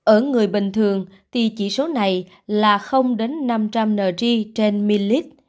ở người bình thường thì chỉ số này là năm trăm linh ng trên ml